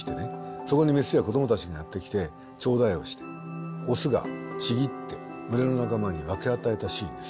そこにメスや子どもたちがやって来て頂戴をしてオスがちぎって群れの仲間に分け与えたシーンです。